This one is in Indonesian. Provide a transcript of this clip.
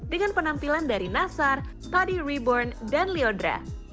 dengan penampilan dari nasar padi reborn dan leodra